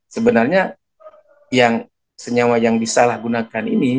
sebenarnya yang senyawa yang disalahgunakan ini